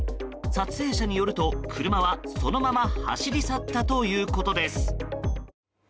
撮影者によると、車はそのまま走り去ったということです。